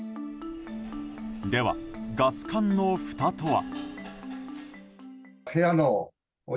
では、ガス管のふたとは？